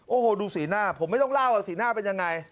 โอ้โหดูสีหน้าผมไม่ต้องเล่าว่าสีหน้าเป็นยังไง